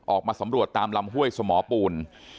ออกมาสำรวจตามลำห้วยสมอปูน